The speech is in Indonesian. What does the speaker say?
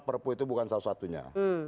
perpu itu bukan suasatunya